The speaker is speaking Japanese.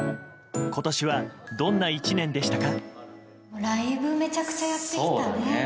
今年はどんな１年でしたか？